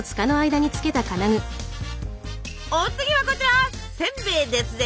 お次はこちらせんべいですぜ。